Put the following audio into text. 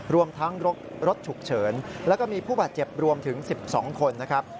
รวมทั้งรถฉุกเฉินแล้วก็มีผู้บาดเจ็บรวมถึง๑๒คนนะครับ